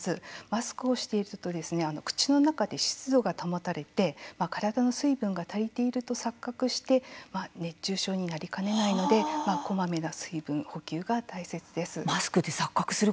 マスクをしていると口の中で湿度が保たれて体の水分が足りていると錯覚して熱中症になりかねないのでこまめな水分補給が大切です。